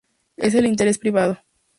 es el interés privado